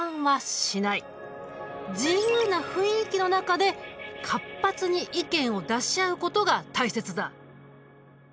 自由な雰囲気の中で活発に意見を出し合うことが大切だ。